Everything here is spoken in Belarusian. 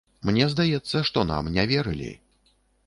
Мне здаецца, што нам не верылі.